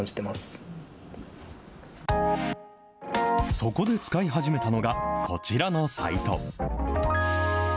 そこで使い始めたのがこちらのサイト。